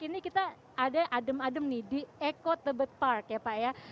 ini kita ada adem adem di eco the bed park ya pak ya